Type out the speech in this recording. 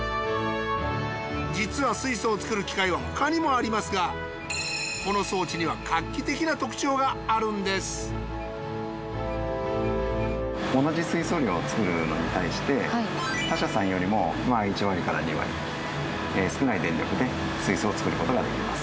実は水素を作る機械は他にもありますがこの装置には画期的な特徴があるんです同じ水素量を作るのに対して他社さんよりも１割から２割少ない電力で水素を作ることができます。